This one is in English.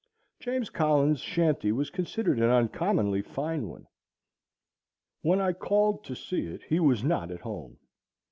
James Collins' shanty was considered an uncommonly fine one. When I called to see it he was not at home.